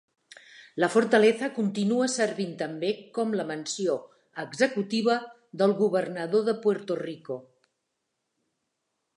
La Fortaleza continua servint també com la mansió executiva del Governador de Puerto Rico.